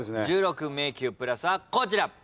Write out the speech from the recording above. １６迷宮プラスはこちら。